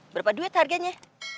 berapa duit harganya